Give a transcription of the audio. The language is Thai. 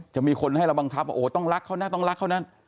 จะมีคนให้เราบังคับว่าโอ้โหต้องรักเขานะต้องรักเขานะ